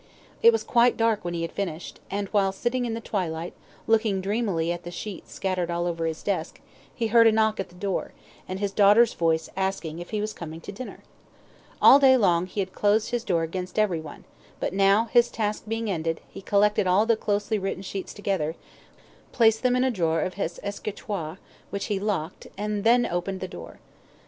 It was quite dark when he had finished, and while sitting in the twilight, looking dreamily at the sheets scattered all over his desk, he heard a knock at the door, and his daughter's voice asking if he was coming to dinner. All day long he had closed his door against everyone, but now his task being ended, he collected all the closely written sheets together, placed them in a drawer of his escritoire, which he locked, and then opened the door.